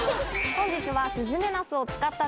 本日は。